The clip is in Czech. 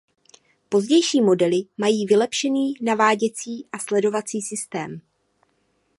Pozdější modely mají vylepšený naváděcí a sledovací systém.